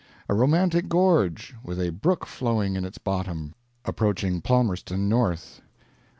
A romantic gorge, with a brook flowing in its bottom, approaching Palmerston North.